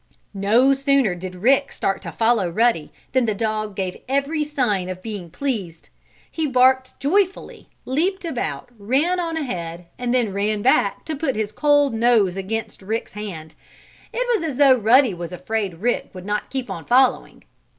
No sooner did Rick start to follow Ruddy than the dog gave every sign of being pleased. He barked joyfully, leaped about, ran on ahead and then ran back to put his cold nose against Rick's hand. It was as though Ruddy was afraid Rick would not keep on following.